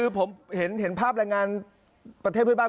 ผมเห็นภาพรายงานประเทศฟื้นบ้าน